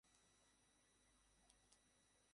পরীক্ষা কেমন দিলে?